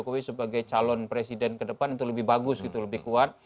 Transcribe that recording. pak jokowi sebagai calon presiden ke depan itu lebih bagus gitu lebih kuat